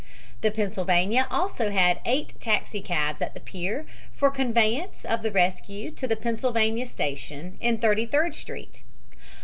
The Pennsylvania also had eight taxicabs at the pier for conveyance of the rescued to the Pennsylvania Station, in Thirty third Street.